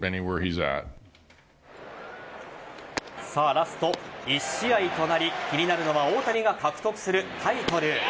ラスト１試合となり気になるのは大谷が獲得するタイトル。